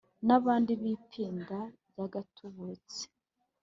N’abandi b’ipinda ry’agatubutse